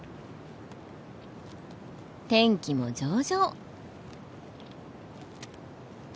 天気も上々！